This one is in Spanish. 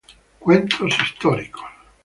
Cuentos históricos.